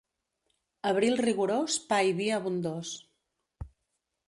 Abril rigorós, pa i vi abundós.